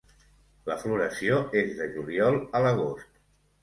La floració és de juliol a l'agost.